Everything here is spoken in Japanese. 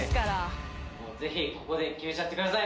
ぜひここで決めちゃってください